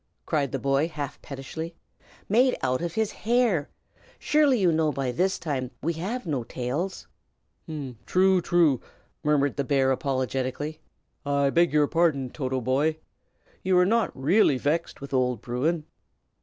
cried the boy, half pettishly. "Made out of his hair! Surely you might know by this time that we have no tails." "True! true!" murmured the bear, apologetically. "I beg your pardon, Toto, boy. You are not really vexed with old Bruin?"